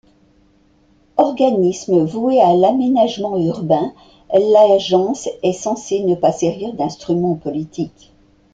Organisme voué à l'aménagement urbain, l'agence est censée ne pas servir d'instrument politique.